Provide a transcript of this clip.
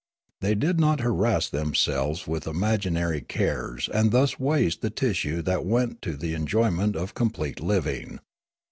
They did not harass themselv^es with imagin ary cares and thus waste the tissue that went to the enjoyment of complete living.